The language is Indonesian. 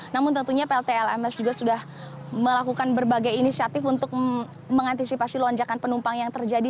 namun tentunya plt lms juga sudah melakukan berbagai inisiatif untuk mengantisipasi lonjakan penumpang yang terjadi